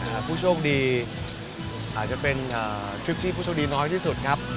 หมดทริปแบบนี้เนี่ยอาจจะเป็นทริปที่พุชกดีน้อยที่สุดครับ